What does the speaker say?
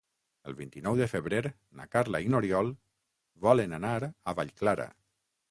El vint-i-nou de febrer na Carla i n'Oriol volen anar a Vallclara.